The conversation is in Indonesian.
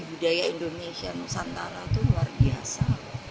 budaya indonesia nusantara itu luar biasa